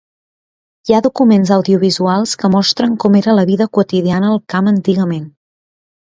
Hi ha documents audiovisuals que mostren com era la vida quotidiana al camp antigament.